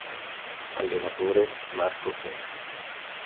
Allenatore: Marco Crespi